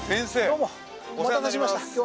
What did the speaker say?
どうもお待たせしました。